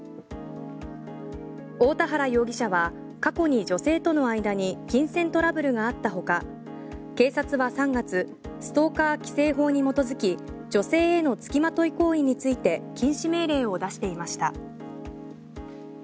大田原容疑者は過去に女性との間に金銭トラブルがあったほか警察は３月ストーカー規制法に基づき女性への付きまとい行為について禁止命令を出していました。